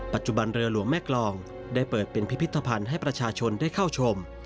ปัจจุบันเรือหลวงแม่กรองได้เปิดเป็นพิพิธภัณฑ์ให้ประชาชนได้เข้าชม